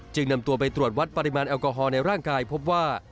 นำตัวไปตรวจวัดปริมาณแอลกอฮอลในร่างกายพบว่า